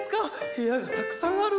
部屋がたくさんある。